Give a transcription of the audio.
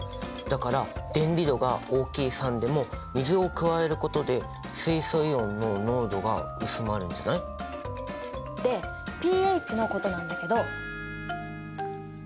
だから電離度が大きい酸でも水を加えることで水素イオンの濃度が薄まるんじゃない？でｐＨのことなんだけど。